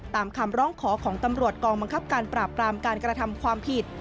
ตามคำร้องขอของตำรวจกองบังคับการปราบปรามการกระทำความผิด